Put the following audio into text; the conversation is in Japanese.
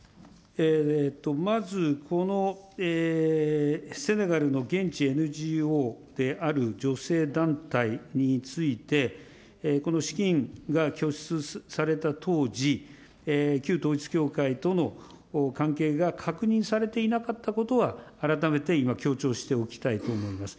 まず、このセネガルの現地ＮＧＯである女性団体について、この資金が拠出された当時、旧統一教会との関係が確認されていなかったことは、改めて今、強調しておきたいと思います。